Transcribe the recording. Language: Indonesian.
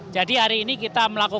jadi hari ini kita melakukan